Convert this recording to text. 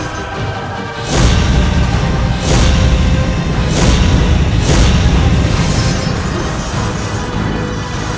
nah memang itu